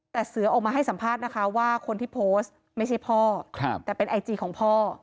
แต่เสือออกมาให้สัมภาษณ์นะคะว่าคนที่โพสต์ไม่ใช่พ่อแต่เป็นไอจีของพ่อ